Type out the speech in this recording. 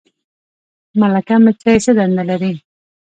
ملکه مچۍ څه دنده لري؟